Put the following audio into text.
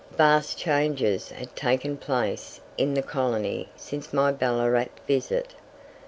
Vast changes had taken place in the colony since my Ballarat visit.